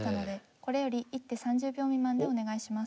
これより一手３０秒未満でお願いします。